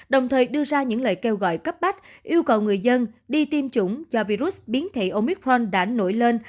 đồng thời đưa ra những lời kêu gọi cấp bách yêu cầu người dân đi tiêm chủng do virus biến thể omicron đã nổi lên